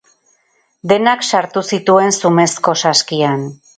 Denak sartu zituen zumezko saskian.